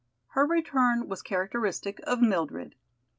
Her return was characteristic of Mildred.